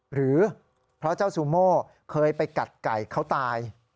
หรือเพราะเจ้าซูโม่เคยไปกัดไก่เขาตาย